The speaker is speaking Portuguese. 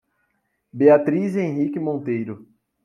Beatriz Henrique Monteiro